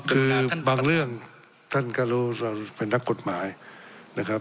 คือบางเรื่องท่านก็รู้เราเป็นนักกฎหมายนะครับ